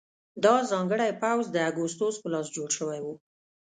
دا ځانګړی پوځ د اګوستوس په لاس جوړ شوی و